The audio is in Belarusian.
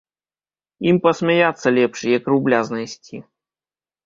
Ім пасмяяцца лепш, як рубля знайсці.